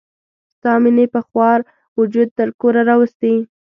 ستا مینې په خوار وجود تر کوره راوستي.